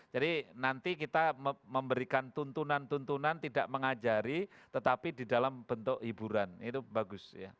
jadi nanti kita memberikan tuntunan tuntunan tidak mengajari tetapi di dalam bentuk hiburan itu bagus ya